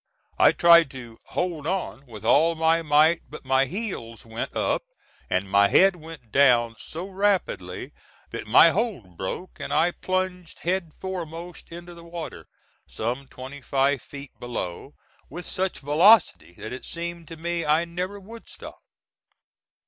I tried to "hold on" with all my might, but my heels went up, and my head went down so rapidly that my hold broke, and I plunged head foremost into the water, some twenty five feet below, with such velocity that it seemed to me I never would stop.